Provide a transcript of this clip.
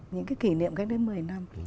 những cái kỷ niệm cách đấy một mươi năm